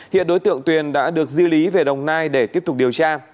hiện đối tượng tuyền đã được di lý về đồng nai để tiếp tục điều tra